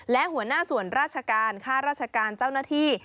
และหัวหน้าส่วนราชการค่าราชการเจ้าหน้าที่